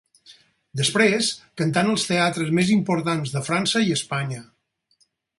Després cantà en els teatres més importants de França i Espanya.